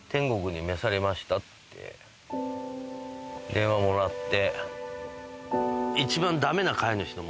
電話もらって。